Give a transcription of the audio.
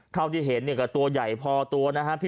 เท่าที่เห็นเนี่ยก็ตัวใหญ่พอตัวนะฮะ